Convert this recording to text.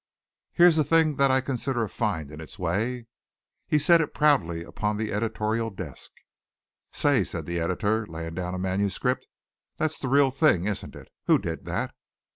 "Here's a thing that I consider a find in its way." He set it proudly upon the editorial desk. "Say," said the Editor, laying down a manuscript, "that's the real thing, isn't it? Who did that?"